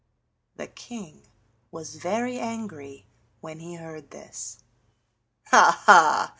The King was very angry when he heard this. "Ha, ha!"